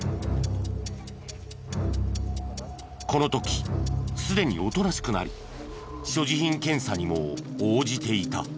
この時すでにおとなしくなり所持品検査にも応じていた。